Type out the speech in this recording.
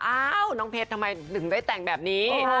อ้าวน้องเพชรทำไมถึงได้แต่งแบบนี้